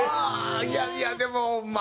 いやいやでもまあ。